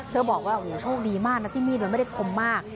บอกว่าโอ้โหโชคดีมากนะที่มีดมันไม่ได้คมมาก